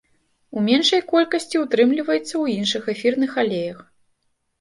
У меншай колькасці ўтрымліваецца ў іншых эфірных алеях.